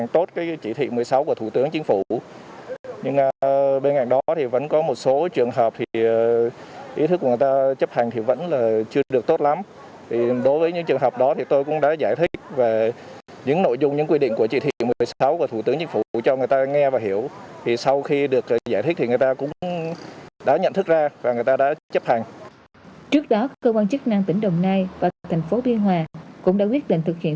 trước đó cơ quan chức năng tỉnh đồng nai và thành phố biên hòa cũng đã quyết định thực hiện